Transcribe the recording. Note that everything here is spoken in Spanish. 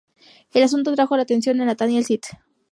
El asunto atrajo la atención de Nathaniel St.